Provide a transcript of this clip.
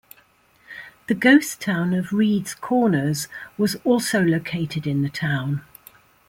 The ghost town of Reeds Corners was also located in the town.